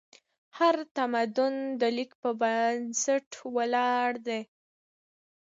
هر تمدن د لیک په بنسټ ولاړ دی.